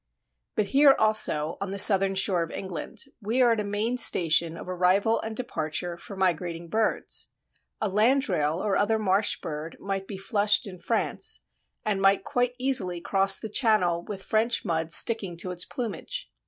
But here also, on the southern shore of England, we are at a main station of arrival and departure for migrating birds. A Landrail or other marsh bird might be flushed in France, and might quite easily cross the Channel with French mud sticking to its plumage.